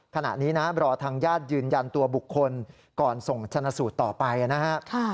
ขณะนี้นะรอทางญาติยืนยันตัวบุคคลก่อนส่งชนะสูตรต่อไปนะฮะ